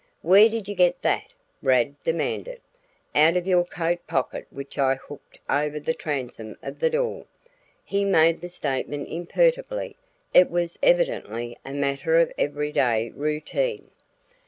"Where did you get that?" Rad demanded. "Out of your coat pocket which I hooked over the transom of the door." He made the statement imperturbably; it was evidently a matter of everyday routine.